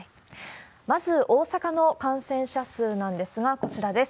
まず、大阪の感染者数なんですが、こちらです。